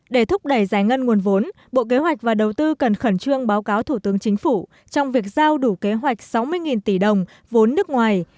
để thúc đẩy giải ngân nguồn vốn bộ kế hoạch và đầu tư cần khẩn trương báo cáo thủ tướng chính phủ trong việc giao đủ kế hoạch sáu mươi tỷ đồng vốn nước ngoài